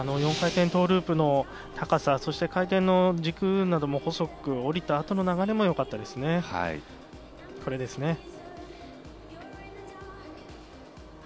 ４回転トーループの高さ、そして回転の軸も細く、おりた後の流れもよかったですね、これですね。